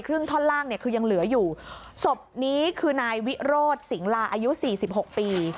ครึ่งท่อนล่างเนี่ยคือยังเหลืออยู่ศพนี้คือนายวิโรธสิงหลาอายุ๔๖ปี